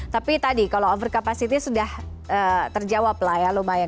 tapi tadi kalau over capacity sudah terjawab lah ya lumayan